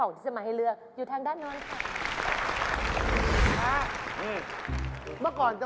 นี่หรือที่เขาเรียกผู้หญิง